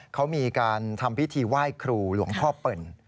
เขามีการทำพิธีไหว้ครูหลวงพ่อเปิ่น